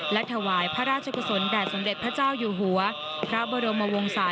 และถวายพระราชกุศลแด่สมเด็จพระเจ้าอยู่หัวพระบรมวงศา